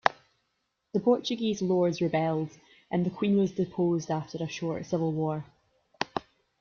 The Portuguese lords rebelled, and the Queen was deposed after a short civil war.